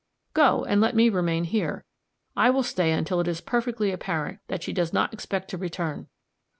"Go; and let me remain here. I will stay until it is perfectly apparent that she does not expect to return."